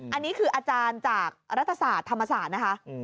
อันนี้คืออาจารย์จากรัฐศาสตร์ธรรมศาสตร์นะคะ